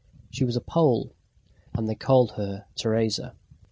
She was a Pole, and they called her Teresa.